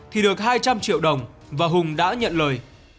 thì được hai trăm linh triệu đồng và hùng đã nhận lời